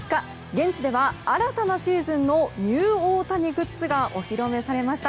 現地では新たなシーズンのニュー大谷グッズがお披露目されました。